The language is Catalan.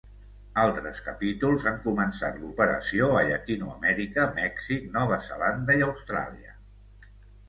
Altres capítols han començat l'operació a Llatinoamèrica, Mèxic, Nova Zelanda i Austràlia.